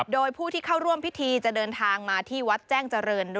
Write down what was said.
โดยผู้ที่เข้าร่วมพิธีจะเดินทางมาที่วัดแจ้งเจริญ